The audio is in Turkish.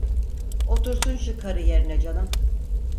Otursun şu karı yerine canım!